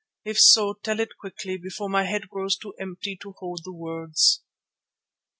If so, tell it quickly before my head grows too empty to hold the words."